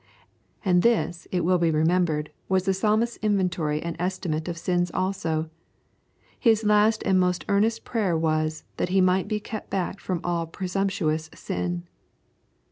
And this, it will be remembered, was the Psalmist's inventory and estimate of sins also. His last and his most earnest prayer was, that he might be kept back from all presumptuous sin.